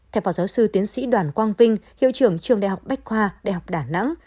theo phó giáo sư tiến sĩ đoàn quang vinh hiệu trưởng trường đại học bách khoa đại học đà nẵng